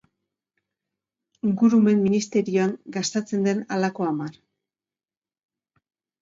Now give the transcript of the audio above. Ingurumen ministerioan gastatzen den halako hamar.